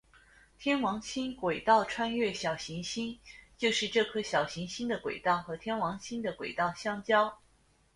天王星轨道穿越小行星就是这颗小行星的轨道和天王星的轨道相交。